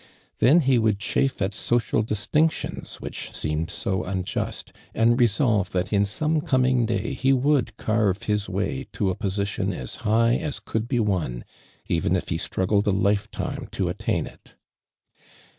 Then he would chiifr at social dis tinotions which Hecmed so unjust, and le solve that in some coming tlay ho would au've his way to a position as high as could be won, even if lie struggled a life time to attain it.